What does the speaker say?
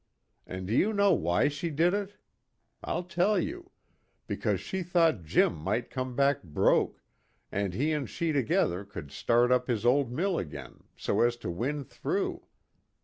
And do you know why she did it? I'll tell you. Because she thought Jim might come back broke, and he and she together could start up his old mill again, so as to win through.